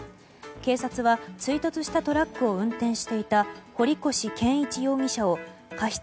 警察は追突したトラックを運転していた堀越謙一容疑者を過失